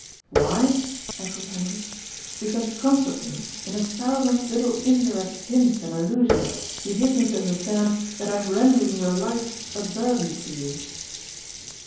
"Why?" echoed Hendrik. "Because constanfly, in a thousand little indirect hints and allusions, you give me to understand that I am rendering your life a burden to you."